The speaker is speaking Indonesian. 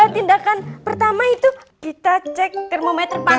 tindakan pertama itu kita cek termometer panjang